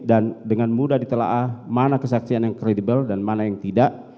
dan dengan mudah ditelaah mana kesaksian yang kredibel dan mana yang tidak